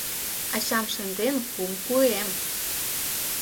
Ачам шынден кум куэм -